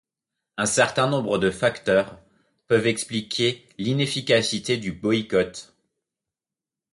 Un certain nombre de facteurs peuvent expliquer l'inefficacité du boycott.